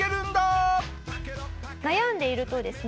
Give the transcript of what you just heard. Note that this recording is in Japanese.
悩んでいるとですね